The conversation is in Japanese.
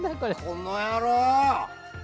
この野郎！